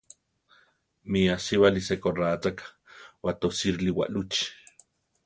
Mi asíbali sekorá chaká batosírili waʼlúchi.